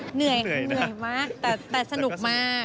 เหนื่อยมากแต่สนุกมาก